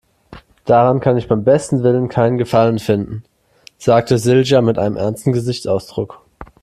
Daran kann ich beim besten Willen keinen Gefallen finden, sagte Silja mit einem ernsten Gesichtsausdruck.